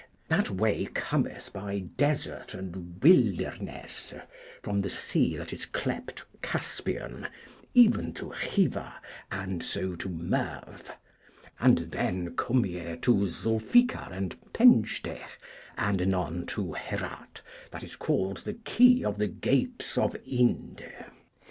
That way cometh by Desert and Wildernesse, from the sea that is clept Caspian, even to Khiva, and so to Merv; and then come ye to Zulfikar and Penjdeh, and anon to Herat, that is called the Key of the Gates of Ynde.